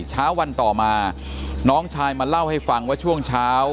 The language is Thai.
เช้าวันต่อมาน้องชายมาเล่าให้ฟังว่าช่วงเช้า